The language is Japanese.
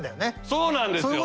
そうなんですよ！